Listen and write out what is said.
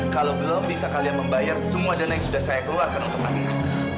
kalau belum bisa kalian membayar semua dana yang sudah saya keluarkan untuk kabinet